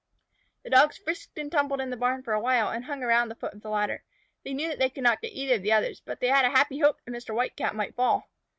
The Dogs frisked and tumbled in the barn for a while and hung around the foot of the ladder. They knew they could not get either of the others, but they had a happy hope that Mr. White Cat might fall.